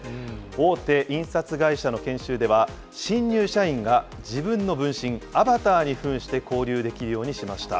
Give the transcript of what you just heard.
大手印刷会社の研修では、新入社員が自分の分身、アバターにふんして交流できるようにしました。